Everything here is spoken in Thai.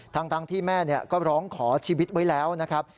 ทั้งที่แม่ก็ร้องขอชีวิตไว้แล้วนะครับ